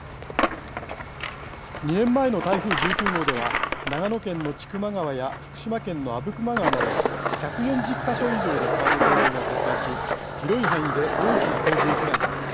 ２年前の台風１９号では長野県の千曲川や福島県の阿武隈川など１４０か所以上で川の堤防が決壊し広い範囲で大きな洪水被害が出ました。